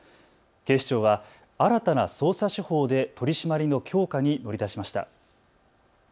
警視庁は新たな捜査手法で取り締まりの強化に乗り出しました。